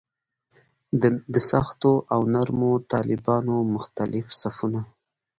د سختو او نرمو طالبانو مختلف صفونه.